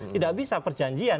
tidak bisa perjanjian